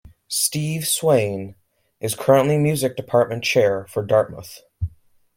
Steve Swayne is currently music department chair for Dartmouth.